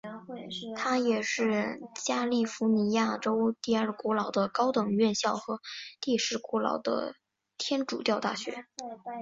它也是加利福尼亚州第二古老的高等院校和第十古老的天主教大学。